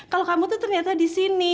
kalau kamu tuh ternyata di sini